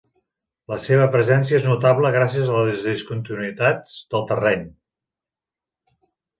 La seva presència és notable gràcies a les discontinuïtats del terreny.